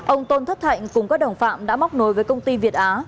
ông tôn thất thạnh cùng các đồng phạm đã móc nối với công ty việt á